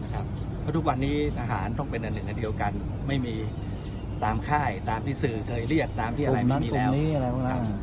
เพราะทุกวันนี้อาหารต้องเป็นอันเดียวกันไม่มีตามค่ายตามที่สื่อเคยเรียกตามที่อะไรไม่มีแล้ว